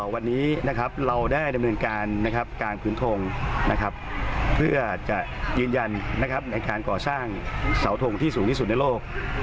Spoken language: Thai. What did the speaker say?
วันนี้เราได้ดำเนินการการพื้นทงเพื่อจะยืนยันในการก่อสร้างเสาทงที่สูงที่สุดในโลก